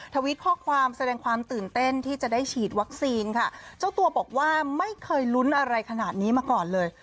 ทวิตข้อความแสดงความตื่นเต้นที่จะได้ฉีดวัคซีนค่ะเจ้าตัวบอกว่าไม่เคยลุ้นอะไรขนาดนี้มาก่อนเลย